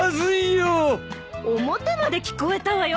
表まで聞こえたわよ！